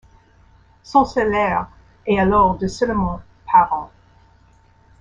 Son salaire est alors de seulement par an.